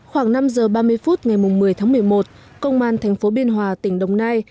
khoảng năm giờ ba mươi phút ngày một mươi tháng một mươi một công an thành phố biên hòa tỉnh đồng nai